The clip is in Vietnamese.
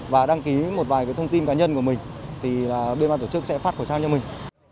và đăng ký một vài cái thông tin cá nhân của mình thì bên ban tổ chức sẽ phát khẩu trang cho mình